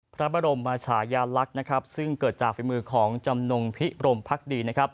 พระบรมชายลักษณ์ซึ่งเกิดจากฝีมือของจำนงภิกษ์บรมพรรคดี